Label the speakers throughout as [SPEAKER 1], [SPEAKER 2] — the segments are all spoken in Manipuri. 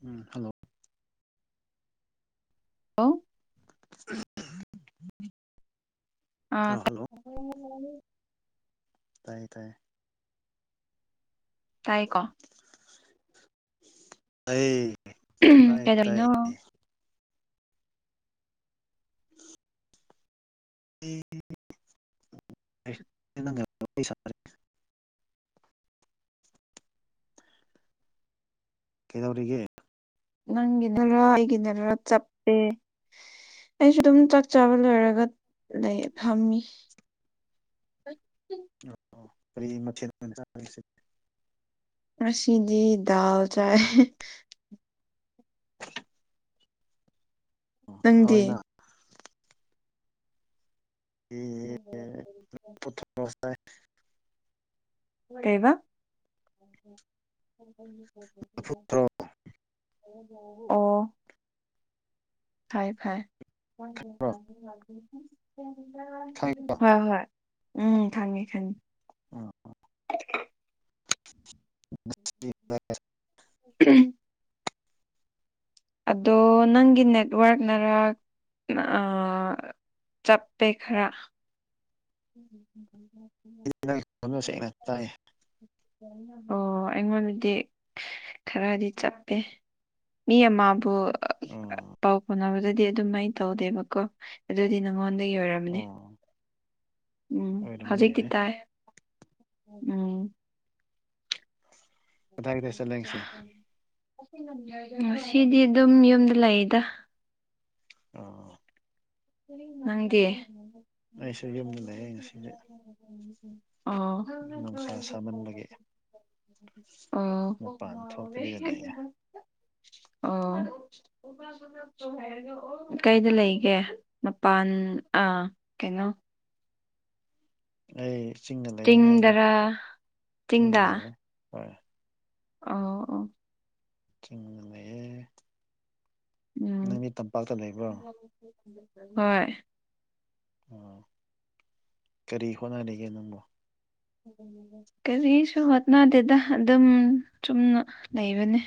[SPEAKER 1] ꯎꯝ ꯍꯜꯂꯣ
[SPEAKER 2] ꯍꯜꯂꯣ
[SPEAKER 1] [inaudible] ꯑ ꯍꯜꯂꯣ ꯇꯥꯏ ꯇꯥꯏ
[SPEAKER 2] ꯇꯥꯏ ꯀꯣ
[SPEAKER 1] ꯑꯩ
[SPEAKER 2] ꯎꯝ
[SPEAKER 1] ꯇꯥꯏ
[SPEAKER 2] ꯀꯗꯥꯏꯅꯣ
[SPEAKER 1] [unintelligible] ꯑꯩ ꯁꯔꯦ ꯀꯩꯗꯧꯔꯤꯒꯦ
[SPEAKER 2] ꯅꯪꯒꯤ ꯑꯩꯒꯤꯗꯔ ꯆꯞꯄꯦ ꯑꯩꯁꯨ ꯑꯗꯨꯝ ꯆꯥꯛ ꯆꯥꯕ ꯂꯣꯏꯔꯒ ꯂꯩ ꯐꯝꯃꯤ ꯎꯝ
[SPEAKER 1] ꯑꯣ ꯀꯔꯤ ꯃꯊꯦꯜ ꯆꯁꯤ
[SPEAKER 2] ꯁꯤꯖꯤ ꯗꯜ ꯆꯥꯏ ꯅꯪꯗꯤ
[SPEAKER 1] ꯍꯣꯢꯅ ꯑꯦ ꯄꯊꯁꯥꯏ
[SPEAKER 2] ꯀꯩꯕ ꯑꯣ ꯐꯥꯏ ꯐꯥꯏ ꯍ ꯍ ꯎꯝ ꯈꯪꯉꯤ ꯈꯪꯉꯤ
[SPEAKER 1] ꯎꯝ
[SPEAKER 2] ꯑꯣ
[SPEAKER 1] ꯁ
[SPEAKER 2] ꯎꯝ ꯑꯗꯣ ꯅꯪꯒꯤ ꯅꯦꯠꯋꯥꯔꯛꯅꯔ ꯆꯞꯄꯦ ꯈꯔ ꯎꯝ
[SPEAKER 1] ꯁꯦꯡꯅ ꯇꯥꯏ
[SPEAKER 2] ꯑꯣ ꯑꯩꯉꯣꯟꯗꯗꯤ ꯈꯔꯗꯤ ꯆꯞꯄꯦ ꯃꯤ ꯑꯃꯕꯨ
[SPEAKER 1] ꯑꯣ
[SPEAKER 2] ꯄꯥꯎ ꯐꯥꯎꯅꯕꯗꯗꯤ ꯑꯗꯨꯝꯥꯏꯅ ꯇꯧꯗꯦꯕꯀꯣ ꯑꯗꯨꯗꯤ ꯅꯉꯣꯟꯗꯒꯤ ꯑꯣꯏꯔꯝꯅꯦ
[SPEAKER 1] ꯑꯣ
[SPEAKER 2] ꯎꯝ
[SPEAKER 1] ꯑꯣꯏꯔꯝꯕ
[SPEAKER 2] ꯍꯧꯖꯤꯛꯇꯤ
[SPEAKER 1] ꯌꯥꯏ
[SPEAKER 2] ꯇꯥꯏ ꯎꯝ
[SPEAKER 1] ꯀꯗꯥꯏ ꯀꯗꯥꯏ ꯆꯠꯂꯦ ꯉꯁꯤ
[SPEAKER 2] ꯁꯤꯗꯤ ꯑꯗꯨꯝ ꯌꯨꯝꯗ ꯂꯩꯏꯗ
[SPEAKER 1] ꯑ
[SPEAKER 2] ꯅꯪꯒꯤ
[SPEAKER 1] ꯑꯩꯁꯨ ꯌꯨꯝꯗ ꯂꯩꯌꯦ ꯉꯁꯤꯗꯤ
[SPEAKER 2] [unintelligible] ꯑꯣ꯫
[SPEAKER 1] ꯅꯨꯡꯁꯥ ꯁꯥꯃꯟꯕꯒꯤ
[SPEAKER 2] ꯑꯣ
[SPEAKER 1] ꯃꯄꯥꯟ ꯊꯣꯛꯇꯕꯤꯗ ꯂꯩꯌꯦ꯫
[SPEAKER 2] ꯑꯣ [unintelligible] ꯀꯩꯗ ꯂꯩꯒꯦ꯫ ꯃꯄꯥꯟ ꯑꯥ ꯀꯩꯅꯣ꯫
[SPEAKER 1] ꯑꯩ ꯆꯤꯡꯗ ꯂꯩꯌꯦꯅꯦ ꯑꯩꯗꯤ
[SPEAKER 2] ꯆꯤꯡꯗꯔꯥ
[SPEAKER 1] ꯆꯤꯡꯗ ꯂꯩꯌꯦ ꯍꯣꯏ꯫
[SPEAKER 2] ꯑ
[SPEAKER 1] ꯀꯪ ꯃꯌꯦ
[SPEAKER 2] ꯎꯝ
[SPEAKER 1] ꯂꯩꯕ꯭ꯔꯣ
[SPEAKER 2] ꯍꯣꯏ
[SPEAKER 1] ꯑꯣ ꯀꯔꯤ ꯍꯣꯠꯅꯔꯤꯒꯦ ꯅꯪꯕꯨꯣ
[SPEAKER 2] ꯀꯔꯤꯁꯨ ꯍꯣꯠꯅꯗꯦꯗ ꯑꯗꯨꯝ ꯆꯨꯝꯅ ꯂꯩꯕꯅꯤ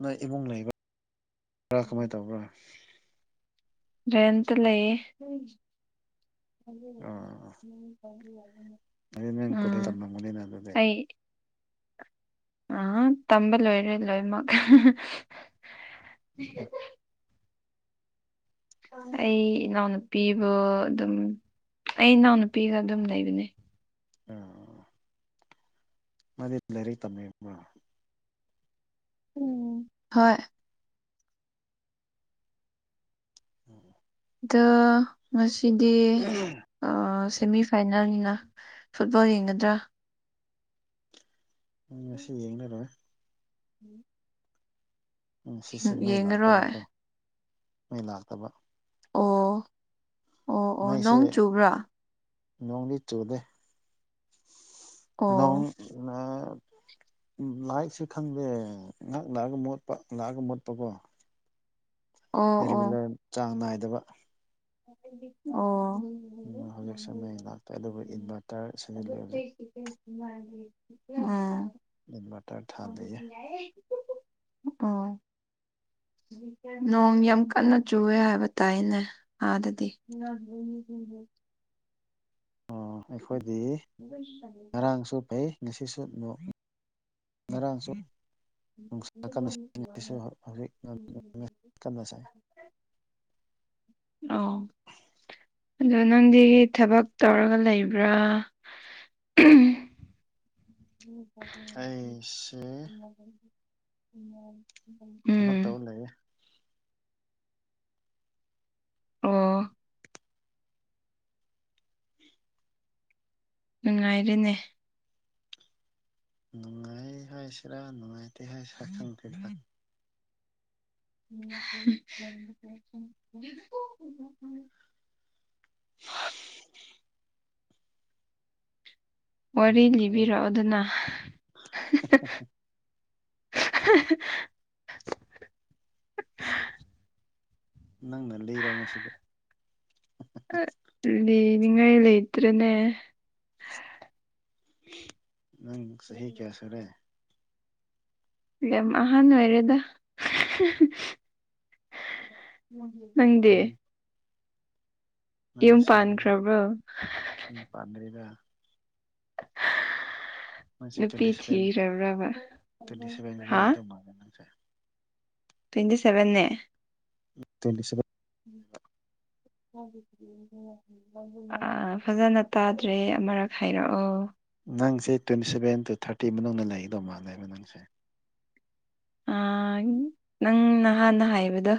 [SPEAKER 1] ꯅꯪ ꯏꯃꯨꯡ ꯂꯩꯕ꯭ꯔ ꯀꯃꯥꯏꯅ ꯇꯧꯕ꯭ꯔꯥ
[SPEAKER 2] ꯔꯦꯟꯇ ꯂꯩ
[SPEAKER 1] ꯑꯗꯨ ꯅꯪ ꯀꯣꯂ ꯇꯝ ꯃꯅꯤꯅ ꯑꯗꯨꯗꯤ
[SPEAKER 2] ꯑꯩ ꯑ ꯇꯝꯕ ꯂꯣꯏꯔꯦ ꯂꯣꯏꯃꯛ [unintelligible] ꯑꯩ ꯏꯅꯥꯎꯅꯨꯄꯤꯕꯨ ꯑꯗꯨꯝ ꯑꯩ ꯏꯅꯥꯎꯅꯨꯄꯤꯒ ꯑꯗꯨꯝ ꯂꯩꯕꯅꯦ꯫
[SPEAKER 1] ꯑ ꯃꯥꯗꯤ ꯂꯥꯏꯔꯤꯛ ꯇꯝꯃꯤꯕ꯭ꯔꯣ꯫
[SPEAKER 2] ꯎꯝ ꯍꯣꯏ꯫
[SPEAKER 1] ꯎꯝ
[SPEAKER 2] ꯗ ꯉꯁꯤꯗꯤ ꯑ ꯁꯦꯃꯤ ꯐꯥꯏꯅꯦꯜꯅꯤꯅ ꯐꯨꯠꯕꯣꯜ ꯌꯦꯡꯒꯗ꯭ꯔꯥ꯫
[SPEAKER 1] ꯉꯁꯤ ꯌꯦꯡꯉꯔꯣꯏ꯫
[SPEAKER 2] ꯎꯝ
[SPEAKER 1] ꯎꯝ ꯉꯁꯤꯁꯦ ꯃꯩ
[SPEAKER 2] ꯌꯦꯡꯉꯔꯣꯏ
[SPEAKER 1] ꯂꯥꯛꯇꯕꯀꯣ ꯃꯩ ꯂꯥꯛꯇꯕ꯫
[SPEAKER 2] ꯑꯣ ꯑꯣ ꯑꯣ
[SPEAKER 1] ꯃꯩꯁꯨ
[SPEAKER 2] ꯅꯣꯡ ꯆꯨꯕ꯭ꯔꯥ
[SPEAKER 1] ꯅꯣꯡꯗꯤ ꯆꯨꯗꯦ꯫ ꯅꯪ
[SPEAKER 2] ꯑꯣ
[SPEAKER 1] ꯅ ꯎ ꯃꯥꯏꯁꯨ ꯈꯪꯗꯦ ꯉꯥꯏꯍꯥꯛ ꯂꯥꯛꯑꯒ ꯃꯣꯠꯄ ꯂꯥꯛꯑꯒ ꯃꯣꯠꯄꯀꯣ꯫
[SPEAKER 2] ꯑꯣ ꯑꯣ
[SPEAKER 1] ꯔꯤꯒꯨꯂꯔ ꯆꯥꯡ ꯅꯥꯏꯗꯕ꯫
[SPEAKER 2] ꯑꯣ꯫ ꯎꯝ
[SPEAKER 1] ꯍꯧꯖꯤꯛꯁꯨ ꯃꯩ ꯂꯥꯛꯇꯦ ꯑꯗꯨꯕꯨ ꯏꯟꯚꯔꯇꯔ ꯁꯤꯖꯤꯜꯂꯤ ꯍꯧꯖꯤꯛ꯫
[SPEAKER 2] [unintelligible] ꯎꯝ꯫
[SPEAKER 1] ꯏꯟꯚꯇꯔ ꯊꯥꯜꯂꯤꯌꯦ꯫
[SPEAKER 2] ꯑꯣ꯫ ꯅꯣꯡ ꯌꯥꯝ ꯀꯟꯅ ꯆꯨꯋꯦ ꯍꯥꯏꯕ ꯇꯥꯏꯅꯦ꯫ ꯑꯥ ꯑꯗꯨꯗꯤ꯫
[SPEAKER 1] ꯑꯣ ꯑꯩꯈꯣꯏꯗꯤ ꯉꯔꯥꯡꯁꯨ ꯐꯩ꯫ ꯉꯁꯤꯁꯨ ꯅꯣꯡ [unintelligible] ꯉꯔꯥꯡꯁꯨ ꯅꯨꯡꯁꯥ ꯀꯟꯅꯁꯨ ꯍꯧꯖꯤꯛ ꯀꯟꯅ ꯁꯥꯏ
[SPEAKER 2] ꯑꯣ
[SPEAKER 1] [unintelligible]
[SPEAKER 2] ꯑꯗꯣ ꯅꯪꯗꯤ ꯊꯕꯛ ꯇꯧꯔꯒ ꯂꯩꯕ꯭ꯔꯥ [unintelligible]
[SPEAKER 1] ꯑꯩꯁꯦ
[SPEAKER 2] [unintelligible]
[SPEAKER 1] ꯊꯕꯛꯇꯧꯔ ꯂꯩꯌꯦ꯫
[SPEAKER 2] ꯑꯣ꯫
[SPEAKER 1] [unintelligible]
[SPEAKER 2] ꯅꯨꯡꯉꯥꯏꯔꯦꯅꯦ꯫
[SPEAKER 1] ꯅꯨꯡꯉꯥꯏ ꯍꯥꯏ ꯁꯤꯔꯥ ꯅꯨꯡꯉꯥꯏꯇꯦ ꯍꯥꯏꯁꯤꯔꯥ ꯈꯪꯗꯦ꯫
[SPEAKER 2] [unintelligible] [unintelligible] ꯋꯥꯔꯤ
[SPEAKER 1] ꯅꯨꯡꯉꯥꯏ
[SPEAKER 2] ꯂꯤꯕꯤꯔꯣ ꯑꯗꯨꯅ
[SPEAKER 1] ꯅꯪꯅ ꯂꯩꯔꯣ ꯉꯁꯤꯗꯤ
[SPEAKER 2] ꯂꯩꯅꯤꯡꯉꯥꯏ ꯂꯩꯇ꯭ꯔꯦꯅꯦ
[SPEAKER 1] ꯅꯪ ꯁꯍꯤ ꯀꯌꯥ ꯁꯔꯦ
[SPEAKER 2] ꯌꯥꯝ ꯑꯍꯥꯟ ꯑꯣꯏꯔꯦꯗ ꯅꯪꯦ
[SPEAKER 1] ꯇ꯭ꯋꯦꯟ
[SPEAKER 2] ꯌꯨꯝ ꯄꯥꯟꯈ꯭ꯔꯕ꯭ꯔꯣ꯫
[SPEAKER 1] ꯄꯥꯟꯗꯔꯤꯗ꯫ ꯅꯪꯁꯦ
[SPEAKER 2] ꯅꯨꯄꯤ
[SPEAKER 1] ꯇ꯭ꯋꯦꯟꯇꯤ ꯁꯚꯦꯟ
[SPEAKER 2] ꯊꯤꯔꯕ꯭ꯔꯕ
[SPEAKER 1] ꯇ꯭ꯋꯦꯟꯇꯤ ꯁꯚꯦꯟꯒꯨꯝꯕ
[SPEAKER 2] ꯍꯥ
[SPEAKER 1] [unintelligible]
[SPEAKER 2] ꯇ꯭ꯋꯦꯟꯇꯤ ꯁꯦꯚꯟꯅꯦ꯫
[SPEAKER 1] [unintelligible]
[SPEAKER 2] ꯎꯝ ꯍ ꯑ ꯐꯖꯅ ꯇꯥꯗ꯭ꯔꯦ ꯑꯃꯔꯛ ꯍꯥꯏꯔꯛꯑꯣ
[SPEAKER 1] ꯅꯪꯁꯦ ꯇ꯭ꯋꯦꯟꯇꯤ ꯁꯚꯦꯟ ꯇꯨ ꯊꯥꯔꯇꯤ ꯃꯅꯨꯡꯗ ꯂꯩꯒꯗꯧ ꯃꯥꯜꯂꯦꯕ ꯅꯪꯁꯦ
[SPEAKER 2] ꯅꯪ ꯅꯍꯥꯟꯅ ꯍꯥꯏꯕꯗ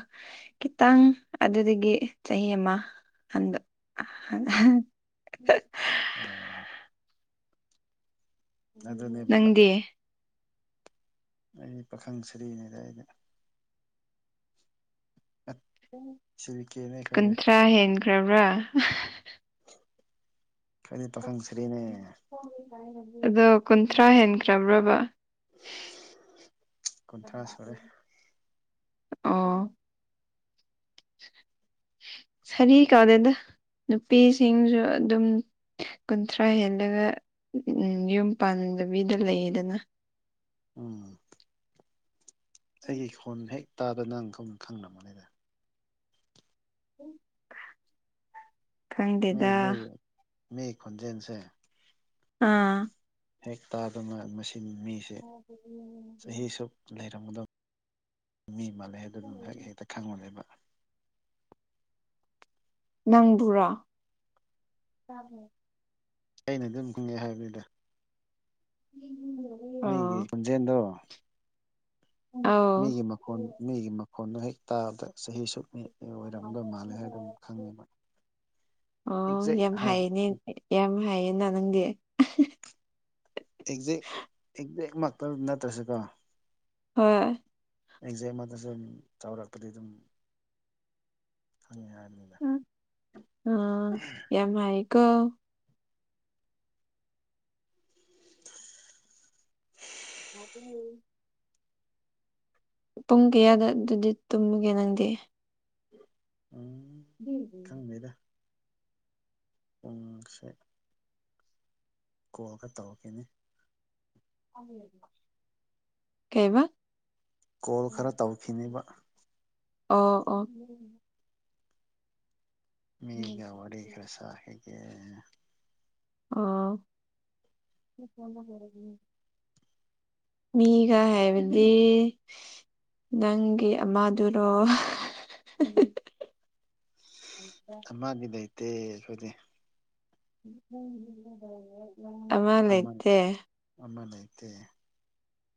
[SPEAKER 2] ꯈꯤꯇꯪ ꯑꯗꯨꯗꯒꯤ ꯆꯍꯤ ꯑꯃ ꯍꯟ [unintelligible]
[SPEAKER 1] ꯑꯣ ꯑꯗꯨꯅꯦꯕ
[SPEAKER 2] ꯅꯪꯗꯤ
[SPEAKER 1] ꯑꯩꯗꯤ ꯄꯥꯈꯪ ꯁꯔꯤꯅꯤꯗ ꯑꯩꯗꯤ ꯁꯤꯕꯤꯀꯦꯅꯦ ꯈꯔꯗꯤ
[SPEAKER 2] ꯀꯨꯟꯊ꯭ꯔꯥ ꯍꯦꯟꯈ꯭ꯔꯕ꯭ꯔꯥ
[SPEAKER 1] ꯈꯣꯏꯗꯤ ꯄꯥꯈꯪ ꯁꯔꯤꯅꯦ
[SPEAKER 2] ꯑꯗꯣ ꯀꯨꯟꯊ꯭ꯔꯥ ꯍꯦꯟꯈ꯭ꯔꯕ꯭ꯔꯕ
[SPEAKER 1] ꯀꯨꯟꯊ꯭ꯔꯥ ꯁꯨꯔꯦ
[SPEAKER 2] ꯑꯣ ꯁꯥꯔꯤ ꯀꯧꯗꯦꯗ ꯅꯨꯄꯤꯁꯤꯡꯁꯨ ꯑꯗꯨꯝ ꯀꯨꯟꯊ꯭ꯔꯥ ꯍꯦꯜꯂꯒ ꯎꯝ ꯌꯨꯝ ꯄꯥꯟꯗꯕꯤꯗ ꯂꯩꯌꯦꯗꯅ
[SPEAKER 1] ꯎꯝ ꯑꯩꯒꯤ ꯈꯣꯟ ꯍꯦꯛ ꯇꯥꯗ ꯅꯪ ꯈꯪ ꯈꯪꯅꯕꯅꯤꯗ
[SPEAKER 2] ꯎꯝ
[SPEAKER 1] ꯃꯤ ꯃꯤ ꯈꯣꯟꯖꯦꯜꯁꯦ
[SPEAKER 2] ꯑꯥ
[SPEAKER 1] ꯍꯦꯛ ꯇꯥꯗꯅ ꯃꯁꯤꯟ ꯃꯤ
[SPEAKER 2] [unintelligible]
[SPEAKER 1] ꯂꯩꯔꯝꯒꯗꯕ ꯃꯤ ꯃꯥꯜꯂꯦ ꯍꯥꯏꯕꯗꯨ ꯑꯗꯨꯝ ꯍꯦꯛ ꯍꯦꯛꯇ ꯈꯪꯕꯅꯦꯕ
[SPEAKER 2] ꯅꯪꯕꯨꯔꯥ ꯇꯥꯕꯔꯣ
[SPEAKER 1] ꯑꯩꯅ ꯑꯗꯨꯝ ꯈꯨꯡꯉꯦ ꯍꯥꯏꯕꯅꯤꯗ
[SPEAKER 2] [unintelligible]
[SPEAKER 1] ꯃꯤꯒꯤ ꯈꯨꯟꯖꯦꯟꯗꯣ
[SPEAKER 2] ꯑꯧ
[SPEAKER 1] ꯃꯤꯒꯤ ꯃꯈꯣꯟ ꯃꯤꯒꯤ ꯃꯈꯣꯟꯗꯣ ꯍꯦꯛ ꯇꯥꯕꯗ ꯆꯍꯤ ꯁꯨꯛꯅꯤ ꯑꯦ ꯑꯣꯏꯔꯝꯒꯗꯣꯏ ꯃꯥꯜꯂꯦ ꯍꯥꯏꯗꯨꯝ ꯈꯪꯉꯦꯕ
[SPEAKER 2] ꯑꯣ
[SPEAKER 1] ꯑꯦꯛꯖꯦꯛ
[SPEAKER 2] ꯌꯥꯝ
[SPEAKER 1] ꯍꯥꯏꯕꯗꯤ
[SPEAKER 2] ꯍꯩꯅꯦ ꯌꯥꯝ ꯍꯥꯏꯌꯦꯅ ꯅꯪꯗꯤ
[SPEAKER 1] ꯑꯦꯛꯖꯦꯛ ꯑꯦꯛꯖꯦꯛ ꯃꯛꯀꯔ ꯅꯠꯇ꯭ꯔꯁꯨꯀꯣ
[SPEAKER 2] ꯍꯣꯏ
[SPEAKER 1] ꯑꯦꯛꯖꯦꯛ ꯑꯃꯗꯁꯨ ꯑꯗꯨꯝ ꯆꯥꯎꯔꯛꯄꯗꯤ ꯑꯗꯨꯝ ꯈꯪꯉꯦ ꯍꯥꯏꯕꯅꯤ
[SPEAKER 2] ꯎꯝ ꯎꯝ ꯌꯥꯝ ꯍꯩꯀꯣ ꯃꯕꯨꯅꯦ ꯄꯨꯡ ꯀꯌꯥꯗ ꯑꯗꯨꯗꯤ ꯇꯨꯝꯃꯨꯒꯦ ꯅꯪꯗꯤ
[SPEAKER 1] ꯑ
[SPEAKER 2] [unintelligible]
[SPEAKER 1] ꯄꯨꯡꯁꯦ ꯀꯣꯜꯒ ꯇꯧꯔꯛꯀꯦꯅꯦ
[SPEAKER 2] ꯀꯩꯌꯦꯕ
[SPEAKER 1] ꯀꯣꯜ ꯈꯔ ꯇꯧꯈꯤꯅꯦꯕ
[SPEAKER 2] ꯑꯣ ꯑꯣ
[SPEAKER 1] ꯃꯤꯒ ꯋꯥꯔꯤ ꯈꯔ ꯁꯥꯈꯤꯒꯦ
[SPEAKER 2] ꯑꯣ ꯃꯤꯒ ꯍꯥꯏꯕꯗꯤ ꯅꯪꯒꯤ ꯑꯃꯗꯨꯔꯣ
[SPEAKER 1] ꯑꯃꯒꯤ ꯂꯩꯩꯇꯦ ꯑꯈꯣꯏꯗꯤ
[SPEAKER 2] ꯑꯃ ꯂꯩꯇꯦ
[SPEAKER 1] ꯑꯃ ꯂꯩꯇꯦ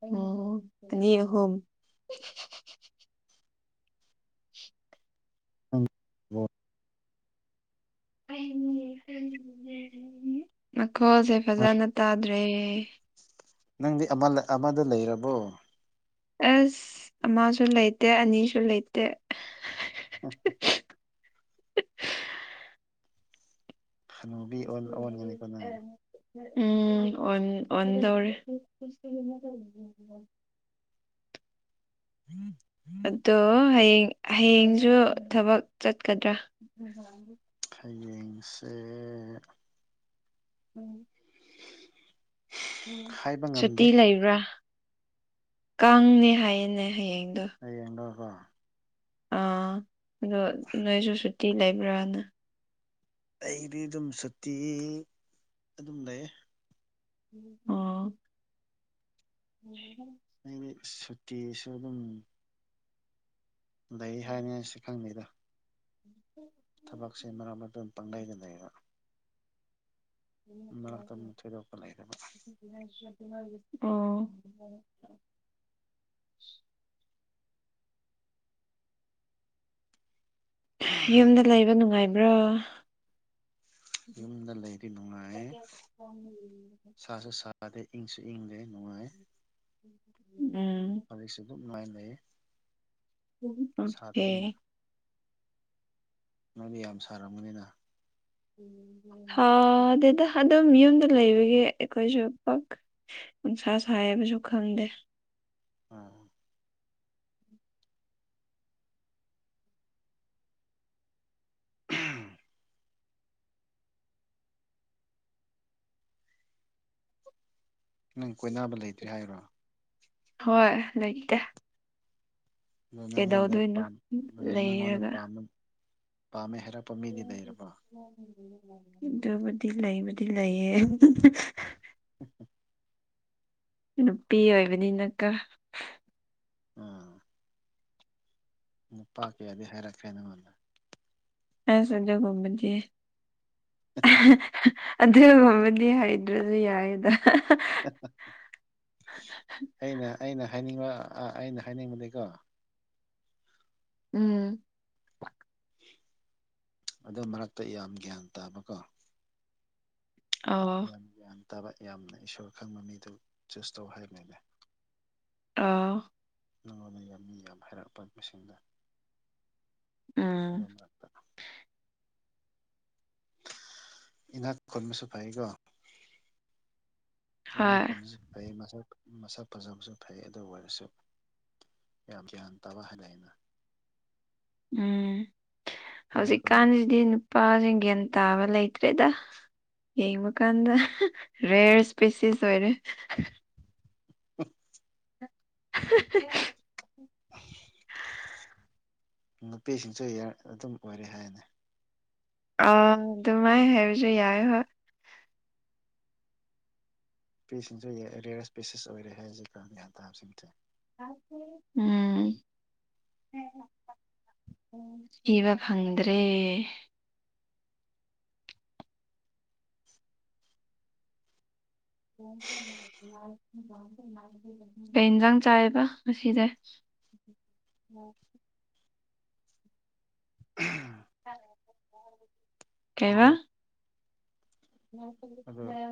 [SPEAKER 2] ꯑꯣ ꯑꯅꯤ ꯑꯍꯨꯝ
[SPEAKER 1] [unintelligible]
[SPEAKER 2] ꯃꯈꯣꯜꯖꯦ ꯐꯖꯅ ꯇꯥꯗ꯭ꯔꯦ
[SPEAKER 1] ꯅꯪꯗꯤ ꯑꯃ ꯂꯩ ꯑꯃꯗꯣ ꯂꯩꯔꯕꯣ
[SPEAKER 2] ꯑꯁ ꯑꯃꯁꯨ ꯂꯩꯇꯦ ꯑꯅꯤꯁꯨ ꯂꯩꯇꯦ
[SPEAKER 1] ꯎꯝ ꯎꯝ ꯍꯅꯨꯕꯤ ꯑꯣꯟꯒꯅꯤꯀꯣ ꯅꯪ
[SPEAKER 2] ꯎꯝ ꯑꯣꯟ ꯑꯣꯟꯗꯧꯔꯤꯦ
[SPEAKER 1] ꯎꯝ
[SPEAKER 2] ꯑꯗꯣ ꯍꯌꯦꯡ ꯍꯌꯦꯡꯁꯨ ꯊꯕꯛ ꯆꯠꯀꯗ꯭ꯔꯥ
[SPEAKER 1] ꯍꯌꯦꯡꯁꯦ
[SPEAKER 2] ꯎꯝ ꯎꯝ
[SPEAKER 1] ꯍꯥꯏꯕ ꯉꯝꯗꯦ
[SPEAKER 2] ꯁꯨꯇꯤ ꯂꯩꯕ꯭ꯔꯥ ꯀꯪꯅꯦ ꯍꯥꯏꯌꯦꯅꯦ ꯍꯌꯦꯡꯗꯣ
[SPEAKER 1] ꯍꯌꯦꯡꯂꯕ
[SPEAKER 2] ꯑꯥ ꯑꯗꯣ ꯅꯣꯏꯖꯨ ꯁꯨꯇꯤ ꯂꯩꯕ꯭ꯔꯥꯅ
[SPEAKER 1] ꯑꯩꯗꯤ ꯑꯗꯨꯝ ꯁꯨꯇꯤ ꯑꯗꯨꯝ ꯂꯩꯌꯦ
[SPEAKER 2] ꯑꯣ [unintelligible]
[SPEAKER 1] ꯑꯩꯗꯤ ꯁꯨꯇꯤꯁꯨ ꯑꯗꯨꯝ ꯂꯩ ꯍꯥꯏꯔꯅꯤ ꯑꯩꯁꯨ ꯈꯪꯗꯦꯗ ꯊꯕꯛꯁꯦ ꯃꯔꯛ ꯃꯔꯛꯇ ꯑꯗꯨꯝ ꯄꯪꯂꯩꯗ ꯂꯩꯌꯦꯕ ꯃꯔꯛꯇ ꯑꯃꯨꯛ ꯊꯣꯏꯗꯣꯛꯄ ꯂꯩꯇꯕ
[SPEAKER 2] ꯎꯥ ꯌꯨꯝꯗ ꯂꯩꯕ ꯅꯨꯡꯉꯥꯏꯕ꯭ꯔꯥ
[SPEAKER 1] ꯌꯨꯝꯗ ꯂꯩꯔꯤ ꯅꯨꯡꯉꯥꯏꯌꯦ ꯁꯥ ꯁꯁꯨ ꯁꯥꯗꯦ ꯏꯪꯁꯨ ꯏꯪꯅꯦꯦ ꯅꯅꯨꯡꯉꯥꯏ
[SPEAKER 2] ꯎꯝꯝ ꯎꯝ
[SPEAKER 1] ꯍꯧꯖꯤꯛꯁꯦ ꯑꯗꯨꯝ ꯉꯥꯏꯅ ꯂꯩꯌꯦ
[SPEAKER 2] ꯎ ꯍꯦ
[SPEAKER 1] ꯅꯪꯗꯤ ꯌꯥꯝ ꯁꯥꯔꯝꯕꯅꯤꯅ
[SPEAKER 2] ꯑꯗꯨꯗ ꯑꯗꯨꯝ ꯌꯨꯝꯗ ꯂꯩꯕꯒꯤ ꯑꯩꯈꯣꯏꯁꯨ ꯎꯟꯁꯥ ꯁꯥꯏꯕꯁꯨ ꯈꯪꯗꯦ
[SPEAKER 1] ꯎꯝ ꯅꯪ ꯀꯣꯏꯅꯕ ꯂꯩꯇ꯭꯭ꯔꯔꯤ ꯍꯥꯏꯔꯣ
[SPEAKER 2] ꯍꯣꯏ ꯂꯩꯇꯦ
[SPEAKER 1] ꯑꯗꯨ ꯅꯪꯉꯣꯟꯗ
[SPEAKER 2] ꯀꯩꯗꯧꯗꯣꯏꯅꯣ
[SPEAKER 1] ꯅꯪꯉꯣꯟꯗ
[SPEAKER 2] ꯂꯩꯔꯒ
[SPEAKER 1] ꯄꯥꯝꯃꯦ ꯍꯥꯏꯔꯛꯄ ꯃꯤꯗꯤ ꯂꯩꯔꯕꯣ
[SPEAKER 2] ꯀꯗꯣ ꯗꯤ ꯂꯩ ꯗꯤ ꯂꯩꯌꯦ
[SPEAKER 1] ꯎꯝ ꯎꯝ
[SPEAKER 2] ꯅꯨꯄꯤ ꯑꯣꯏꯕꯅꯤꯅꯀ
[SPEAKER 1] ꯎꯝ ꯅꯨꯄꯥ ꯀꯌꯥꯗꯤ ꯍꯥꯏꯔꯛꯀꯦ ꯅꯪꯉꯣꯟꯗ
[SPEAKER 2] ꯑ ꯁꯖꯣ ꯀꯨꯝꯃꯗꯒꯤ ꯑꯗꯨꯒꯕꯗꯤ ꯍꯩꯗ꯭ꯔꯁꯨ ꯌꯥꯏꯗ
[SPEAKER 1] ꯑꯩꯅ ꯑꯩꯅ ꯍꯥꯏꯅꯤꯡꯕ ꯑꯩꯅ ꯍꯥꯏꯅꯤꯡꯕꯗꯤꯀꯣ
[SPEAKER 2] ꯎꯝ
[SPEAKER 1] ꯑꯗꯨ ꯃꯔꯛꯇ ꯌꯥꯝ ꯒ꯭ꯌꯥꯟ ꯇꯥꯕꯀꯣ
[SPEAKER 2] ꯑꯣ
[SPEAKER 1] ꯌꯥꯝ ꯒ꯭ꯌꯥꯟ ꯇꯥꯕ ꯌꯥꯝꯅ ꯏꯁꯣꯔ ꯈꯪꯕ ꯃꯤꯗꯨ ꯆꯨꯁ ꯇꯧ ꯍꯥꯏꯕꯅꯤꯅꯦ
[SPEAKER 2] ꯑꯥ
[SPEAKER 1] ꯅꯉꯣꯟꯗ ꯌꯥꯝ ꯃꯤ ꯌꯥꯝ ꯍꯥꯏꯔꯛꯄ ꯃꯁꯤꯡꯗ
[SPEAKER 2] ꯎꯝ
[SPEAKER 1] ꯑꯗꯨ ꯃꯔꯛꯇ ꯏꯅꯥꯛ ꯈꯨꯣꯟꯕꯁꯨ ꯐꯩꯀꯣ ꯏꯅꯥꯛ
[SPEAKER 2] ꯍꯣꯏ
[SPEAKER 1] ꯈꯨꯟꯕꯁꯨ ꯐꯩ ꯃꯁꯛ ꯃꯁꯛ ꯐꯖꯕꯁꯨ ꯐꯩ ꯑꯗꯨ ꯑꯣꯏꯔꯁꯨ ꯌꯥꯝꯌꯥ ꯇ ꯍꯥꯏ ꯂꯩꯥꯏꯅ
[SPEAKER 2] ꯎꯝ
[SPEAKER 1] ꯏꯅꯥꯛ ꯈꯨꯟ
[SPEAKER 2] ꯍꯧꯖꯤꯛꯀꯥꯟꯁꯤꯗꯤ ꯅꯨꯄꯥꯁꯤꯡꯒꯟ ꯇꯥꯕ ꯂꯩꯇ꯭ꯔꯦꯗ ꯌꯦꯡꯕ ꯀꯥꯟꯗ ꯔꯦꯌꯔ ꯏꯁꯄꯤꯁꯤꯁ ꯑꯣꯏꯔꯦ
[SPEAKER 1] ꯍ
[SPEAKER 2] [unintelligible]
[SPEAKER 1] ꯅꯨꯄꯤꯁꯤꯡꯁꯨ ꯑꯗꯨꯝ ꯑꯣꯏꯔꯦ ꯍꯥꯏꯅꯤ
[SPEAKER 2] ꯑ ꯑꯗꯨꯃꯥꯏ ꯍꯥꯏꯕꯁꯨ ꯌꯥꯏ ꯍꯣꯏ
[SPEAKER 1] ꯏꯁꯄꯤꯁꯤꯡꯁꯨ ꯔꯦꯌꯔ ꯏꯁ ꯄꯦꯁꯤꯁ ꯑꯣꯏꯔꯦ ꯍꯥꯏ ꯍꯧꯖꯤꯛꯀ ꯒ꯭ꯌꯥꯟꯥꯁꯤꯡꯁꯦ
[SPEAKER 2] ꯎꯝ ꯏꯕ ꯐꯪꯗ꯭ꯔꯦ [unintelligible] ꯀꯩ ꯏꯟꯁꯥꯡ ꯆꯥꯏꯕ ꯉꯁꯤꯁꯦ
[SPEAKER 1] ꯎ
[SPEAKER 2] ꯀꯩꯕ
[SPEAKER 1] ꯑꯗꯣ ꯑꯗꯣ
[SPEAKER 2] ꯃꯥ